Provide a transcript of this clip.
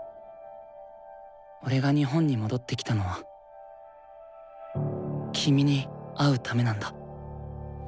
俺が日本に戻ってきたのは君に会うためなんだ。